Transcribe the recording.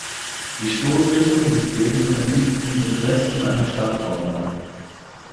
Die Stoßrichtung des Bebens verlief im Südwesten an der Stadt vorbei.